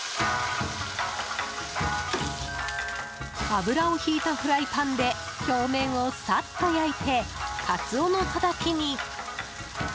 油をひいたフライパンで表面をサッと焼いてカツオのタタキに！